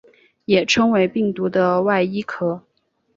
也称为病毒的外衣壳。